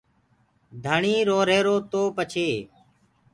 ڌڻيٚ روهيرو تو پڇي